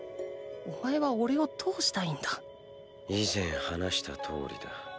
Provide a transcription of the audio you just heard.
お前はおれをどうしたいんだ⁉以前話した通りだ。